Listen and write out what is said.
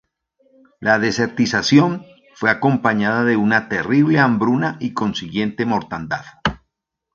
La desertización fue acompañada de una terrible hambruna y consiguiente mortandad.